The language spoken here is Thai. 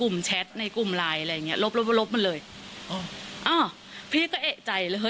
พี่เล่นเมื่อกี้ที